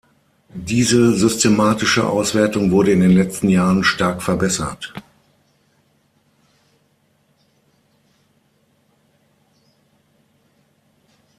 Diese systematische Auswertung wurde in den letzten Jahren stark verbessert.